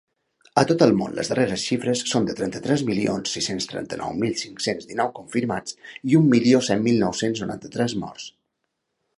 A tot el món, les darreres xifres són de trenta-tres milions sis-cents trenta-nou mil cinc-cents dinou confirmats i un milió set mil nou-cents noranta-tres morts.